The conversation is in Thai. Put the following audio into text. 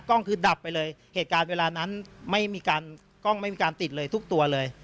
คือดับไปเลยเหตุการณ์เวลานั้นไม่มีการกล้องไม่มีการติดเลยทุกตัวเลย